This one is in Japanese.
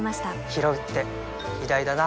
ひろうって偉大だな